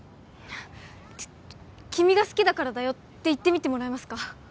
ちょっと「君が好きだからだよ」って言ってみてもらえますか？